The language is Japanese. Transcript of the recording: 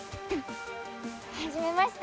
はじめまして。